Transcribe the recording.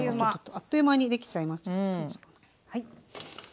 あっという間にできちゃいます。